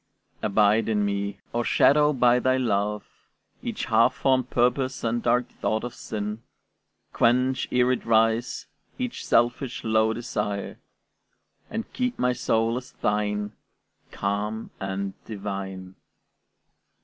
Abide in me; o'ershadow by thy love Each half formed purpose and dark thought of sin; Quench, e'er it rise, each selfish, low desire, And keep my soul as thine, calm and divine.